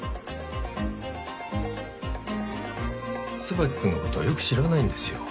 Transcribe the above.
椿くんのことはよく知らないんですよ。